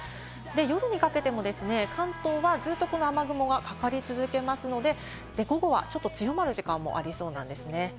夜にかけても関東はずっとこの雨雲がかかり続けますので、午後はちょっと強まる時間もありそうなんですね。